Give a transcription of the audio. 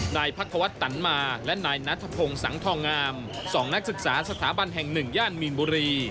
นายพักควัฒน์ตันมาและนายนัทพงศ์สังทองงาม๒นักศึกษาสถาบันแห่ง๑ย่านมีนบุรี